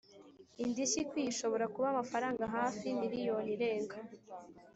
Indishyi ikwiye ishobora kuba amafaranga hafi miliyoni irenga